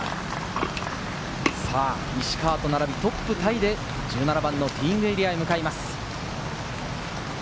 さぁ、石川と並び、トップタイで１７番のティーイングエリアに向かいます。